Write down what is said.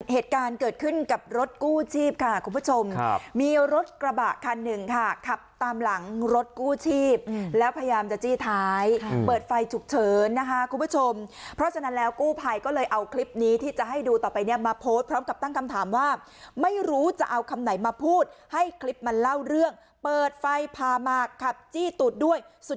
เหตุการณ์เกิดขึ้นกับรถกู้ชีพค่ะคุณผู้ชมมีรถกระบะคันหนึ่งค่ะขับตามหลังรถกู้ชีพแล้วพยายามจะจี้ท้ายเปิดไฟฉุกเฉินนะคะคุณผู้ชมเพราะฉะนั้นแล้วกู้ภัยก็เลยเอาคลิปนี้ที่จะให้ดูต่อไปเนี่ยมาโพสต์พร้อมกับตั้งคำถามว่าไม่รู้จะเอาคำไหนมาพูดให้คลิปมันเล่าเรื่องเปิดไฟพามากขับจี้ตูดด้วย